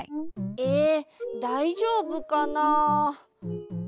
えだいじょうぶかな？